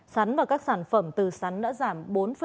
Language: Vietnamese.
sắn và các sản phẩm từ sắn đã giảm bốn năm